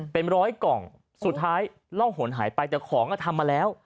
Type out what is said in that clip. เป็นร้อยกล่องสุดท้ายร่องหนหายไปแต่ของก็ทำมาแล้ว